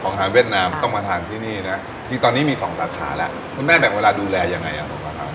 อาหารเวียดนามต้องมาทานที่นี่นะจริงตอนนี้มีสองสาขาแล้วคุณแม่แบ่งเวลาดูแลยังไงอ่ะครับ